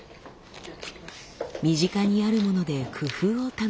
身近にあるもので工夫を楽しむ。